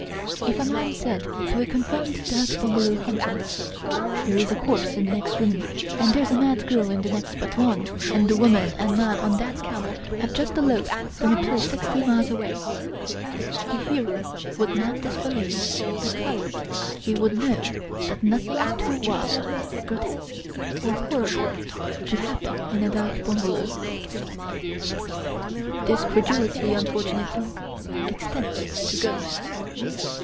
If a man said to a confirmed dak bungalow haunter: —^*' There is a corpse in the next room, and there's a mad girl in the next but one, and the 14 Rudyard Kipling woman and man on that camel have just eloped from a place sixty miles away/' the hearer would not disbelieve because he would know that nothing is too wild, grotesque, or horrible to happen in a dak bungalow. This credulity, unfortunately, extends to ghosts.